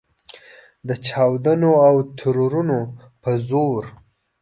د چاودنو او ترورونو په زور.